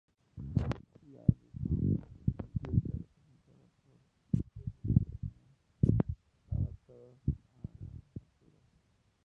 La avifauna del sitio está representada por especies andinas adaptadas a grandes alturas.